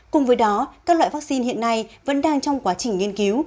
cùng với đó các loại vaccine hiện nay vẫn đang trong quá trình nghiên cứu